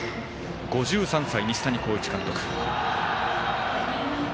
５３歳、西谷浩一監督。